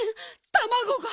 たまごが。